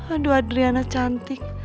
aduh adriana cantik